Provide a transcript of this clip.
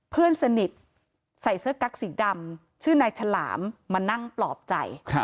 เพื่อนสนิทใส่เสื้อกั๊กสีดำชื่อนายฉลามมานั่งปลอบใจ